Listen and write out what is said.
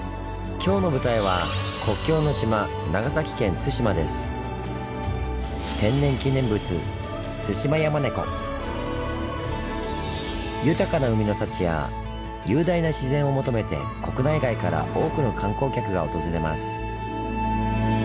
今日の舞台は天然記念物豊かな海の幸や雄大な自然を求めて国内外から多くの観光客が訪れます。